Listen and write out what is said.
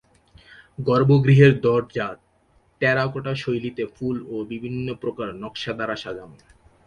গর্ভগৃহের দরজা টেরাকোটা শৈলীতে ফুল ও বিভিন্ন প্রকার নকশা দ্বারা সাজানো।